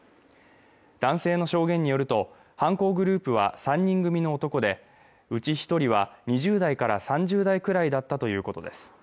男性の証言によると犯行グループは３人組の男でうち一人は２０代から３０代くらいだったということです